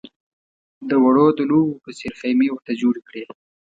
د وړو د لوبو په څېر خېمې ورته جوړې کړې.